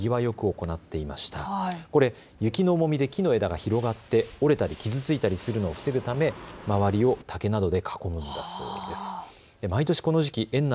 これ、雪の重みで木の枝が広がって折れたり傷ついたりするのを防ぐため周りを竹などで囲うんだそうです。